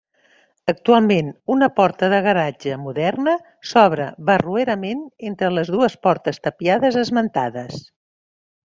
Actualment, una porta de garatge moderna s'obre barroerament entre les dues portes tapiades esmentades.